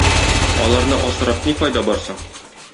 Аларны асрап ни файда бар соң?